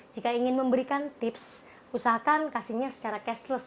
jika ingin memberikan tips usahakan kasihnya secara cashless